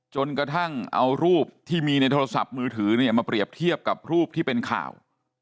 จนกระทั่งเอารูปที่มีในโทรศัพท์มือถือเนี่ยมาเปรียบเทียบกับรูปที่เป็นข่าว